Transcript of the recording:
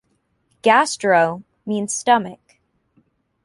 "Gastro-" means stomach.